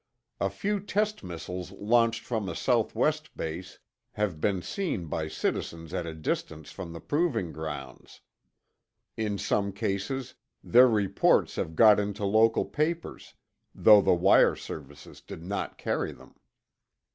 A few test missiles launched from a southwest base have been seen by citizens at a distance from the proving grounds. In some cases, their reports have got into local papers, though the wire services did not carry them.